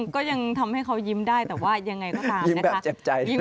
ก็ยังทำให้เขายิ้มได้แต่ว่ายังไงก็ตามนะคะ